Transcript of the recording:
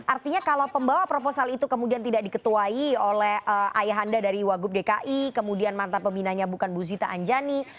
artinya kalau pembawa proposal itu kemudian tidak diketuai oleh ayahanda dari wagub dki kemudian mantan pembinanya bukan bu zita anjani